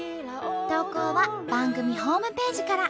投稿は番組ホームページから。